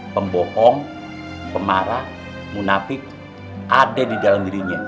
karena munafik ada di dalam dirinya